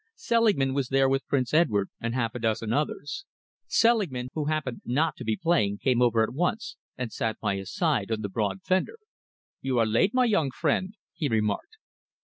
Selingman was there with Prince Edward, and half a dozen others. Selingman, who happened not to be playing, came over at once and sat by his side on the broad fender. "You are late, my young friend," he remarked.